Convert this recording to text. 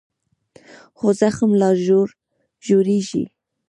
خو زخم لا ژورېږي.